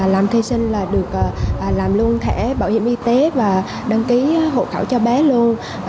làm thi sinh là được làm luôn thẻ bảo hiểm y tế và đăng ký hộ khẩu cho bé luôn